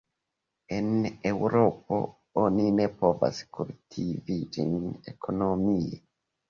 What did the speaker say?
En Eŭropo oni ne povas kultivi ĝin ekonomie.